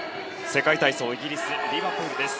世界体操イギリス・リバプールです。